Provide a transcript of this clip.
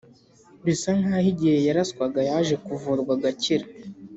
bisa nkaho igihe yaraswaga yaje kuvurwa agakira